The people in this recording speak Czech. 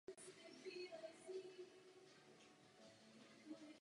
Volba amerického prezidenta se totiž týká i Evropanů.